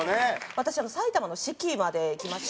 私埼玉の志木まで行きまして。